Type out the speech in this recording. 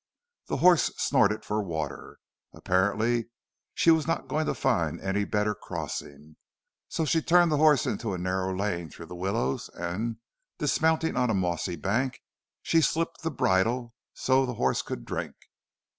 The horse snorted for water. Apparently she was not going to find any better crossing, so she turned the horse into a narrow lane through the willows and, dismounting on a mossy bank, she slipped the bridle so the horse could drink.